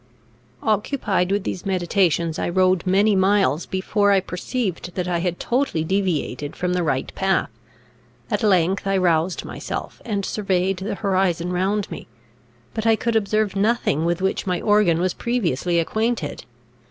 Occupied with these meditations, I rode many miles before I perceived that I had totally deviated from the right path. At length I roused myself, and surveyed the horizon round me; but I could observe nothing with which my organ was previously acquainted.